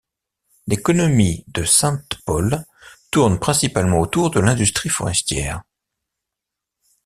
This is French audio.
L'économie de Sainte-Paule tourne principalement autour de l'industrie forestière.